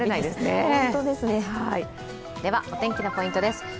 ではお天気のポイントです。